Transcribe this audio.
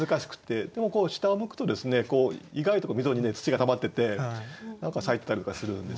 でもこう下を向くとですね意外と溝に土が溜まってて何か咲いてたりとかするんですよね。